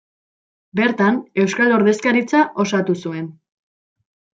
Bertan Euskal Ordezkaritza osatu zuten.